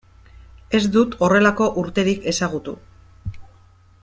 Ez dut horrelako urterik ezagutu.